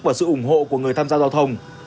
và sự ủng hộ của người tham gia giao thông